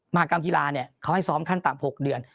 มหากรรมกีฬาเขาให้ซ้อมขั้นต่ำ๖เดือน